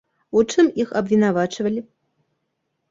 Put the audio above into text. У чым іх абвінавачвалі?